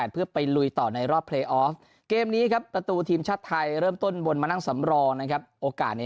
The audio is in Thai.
เพื่อไปลุยต่อในรอบเพลย์ออฟเกมนี้ครับประตูทีมชาติไทยเริ่มต้นวนมานั่งสำรองนะครับโอกาสนี้